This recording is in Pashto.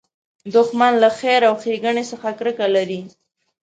دښمن له خیر او ښېګڼې څخه کرکه لري